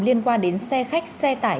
liên quan đến xe khách xe tải